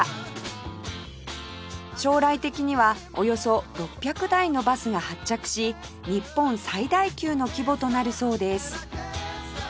将来的にはおよそ６００台のバスが発着し日本最大級の規模となるそうです